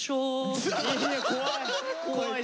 怖い！